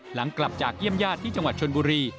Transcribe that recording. หลังกลับจากเยี่ยมญาติที่จังหวัดชนบุรี